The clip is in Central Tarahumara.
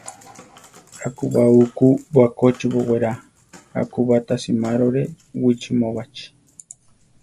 Akubá uku bakochi bowerá; akubá ta simárore wichimóbachi.